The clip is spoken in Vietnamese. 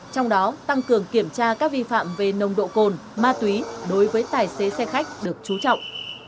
trong đó tăng cường kiểm tra các vi phạm về nồng độ cồn ma túy đối với tài xế xe khách được trú trọng